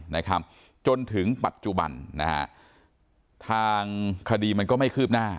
นะครับจนถึงปัจจุบันนะฮะทางคดีมันก็ไม่คืบหน้า